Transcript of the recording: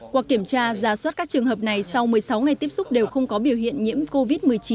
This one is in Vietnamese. qua kiểm tra giả soát các trường hợp này sau một mươi sáu ngày tiếp xúc đều không có biểu hiện nhiễm covid một mươi chín